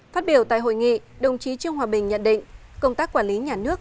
phát biểu tại hội nghị đồng chí trương hòa bình nhận định công tác quản lý nhà nước